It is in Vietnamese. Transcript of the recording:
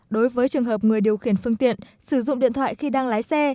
đối với trường hợp người điều khiển phương tiện sử dụng điện thoại khi đang lái xe